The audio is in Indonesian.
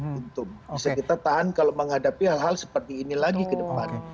bisa kita tahan kalau menghadapi hal hal seperti ini lagi ke depan